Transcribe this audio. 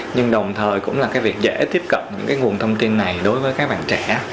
nhưng đồng thời cũng là cái việc dễ tiếp cận những cái nguồn thông tin này đối với các bạn trẻ